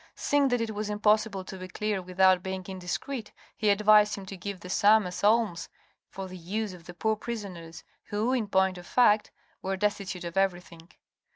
Seeing that it was impossible to be clear without being indiscreet, he advised him to give that sum as alms for the use of the poor prisoners, who, in point of fact, were destitute of everything.